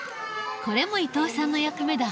これも伊藤さんの役目だ。